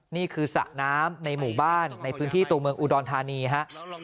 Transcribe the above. นี่คือสระน้ำในหมู่บ้านในพื้นที่ตัวเมืองอุดรธานีฮะ